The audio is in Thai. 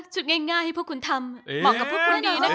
ง่ายให้พวกคุณทำเหมาะกับพวกคุณให้ดีนะคะ